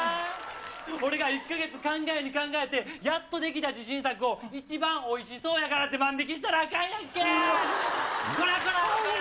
俺が１か月考えに考えてやっと出来た自信作を一番おいしそうやからって万引きしたらあかんやんけ。